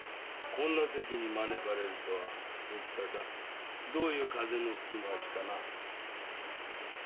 こんな席に招かれるとはお蔦さんどういう風の吹きまわしかな？